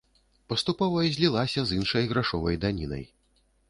Паступова злілася з іншай грашовай данінай.